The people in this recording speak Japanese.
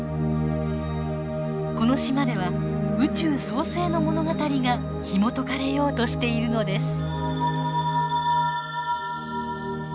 この島では宇宙創生の物語がひもとかれようとしているのです。